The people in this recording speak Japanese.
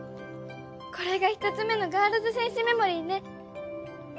これが１つ目のガールズ戦士メモリーね！